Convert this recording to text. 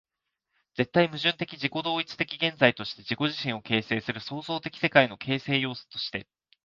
絶対矛盾的自己同一的現在として、自己自身を形成する創造的世界の形成要素として、